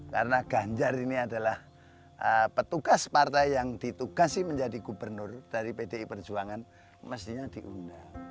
karena ganjar ini adalah petugas partai yang ditugasi menjadi gubernur dari pdi perjuangan mestinya diundang